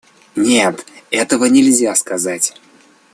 Нет, этого нельзя сказать.